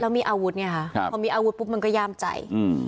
แล้วมีอาวุธไงคะพอมีอาวุธปุ๊บมันก็ย่ามใจอืม